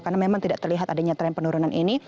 karena memang tidak terlihat adanya tren penurunan ini